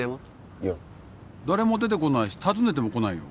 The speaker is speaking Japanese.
いや誰も出てこないし訪ねてもこないよ